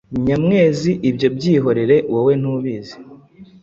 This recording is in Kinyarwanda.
Nyamwezi: Ibyo byihorere wowe ntubizi!